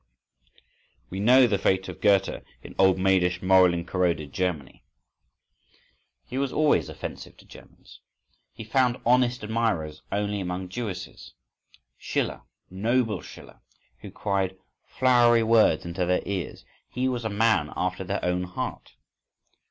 We know the fate of Goethe in old maidish moralin corroded Germany. He was always offensive to Germans, he found honest admirers only among Jewesses. Schiller, "noble" Schiller, who cried flowery words into their ears,—he was a man after their own heart.